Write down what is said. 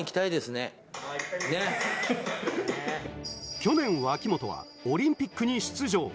去年、脇本はオリンピックに出場。